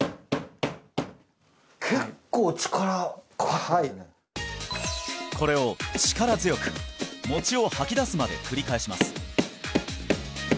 まずこれを力強く餅を吐き出すまで繰り返します